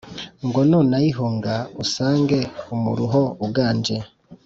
Ngo nunayihunga Usange umuruho uganje